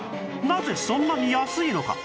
なぜそんなに安いのか？